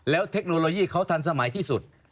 แล้วเทคโนโลยีเขาทันสมัยที่สุด